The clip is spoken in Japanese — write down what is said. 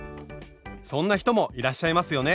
そんな人もいらっしゃいますよね。